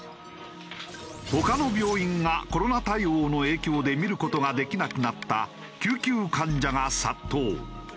他の病院がコロナ対応の影響で診る事ができなくなった救急患者が殺到。